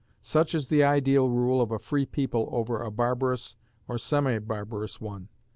Such is the ideal rule of a free people over a barbarous or semi barbarous one.